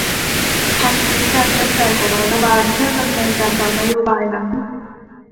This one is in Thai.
ทั้งนี้การใช้จ่ายของรัฐบาลเพื่อดำเนินการตามนโยบายนั้น